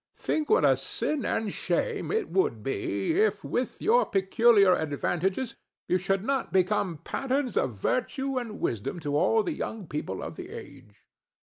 Think what a sin and shame it would be if, with your peculiar advantages, you should not become patterns of virtue and wisdom to all the young people of the age!"